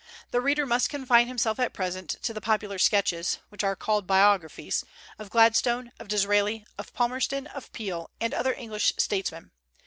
The reader must confine himself at present to the popular sketches, which are called biographies, of Gladstone, of Disraeli, of Palmerston, of Peel, and other English statesmen.